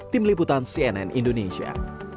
tim liputan cnn indonesia